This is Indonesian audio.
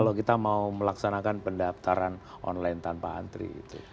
jadi kita mau melaksanakan pendaftaran online tanpa antri itu